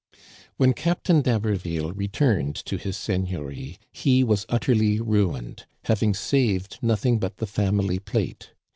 When Captain d'Haberville returned to his seigneurie he was utterly ruined, having saved nothing but the family plate.